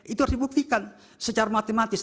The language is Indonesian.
itu harus dibuktikan secara matematis